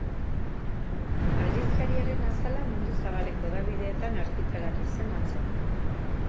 Aldizkariaren azala mundu zabaleko hedabideetan argitaratu zen atzo.